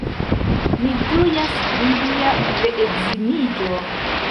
Mi ĝojas pri via reedziniĝo.